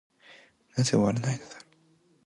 なぜ終わないのだろう。